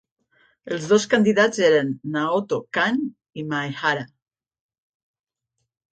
Els dos candidats eren Naoto Kan i Maehara.